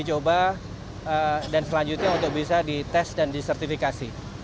dicoba dan selanjutnya bisa dites dan disertifikasi